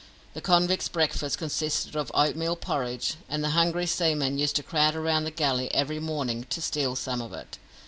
The convicts' breakfast consisted of oatmeal porridge, and the hungry seamen used to crowd round the galley every morning to steal some of it.